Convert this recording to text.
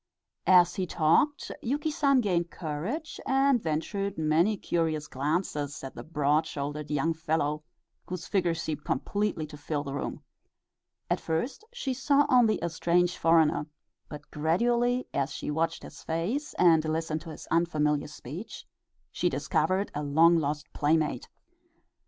As he talked Yuki San gained courage, and ventured many curious glances at the broad shouldered young fellow, whose figure seemed completely to fill the room. At first she saw only a strange foreigner, but gradually, as she watched his face and listened to his unfamiliar speech, she discovered a long lost playmate.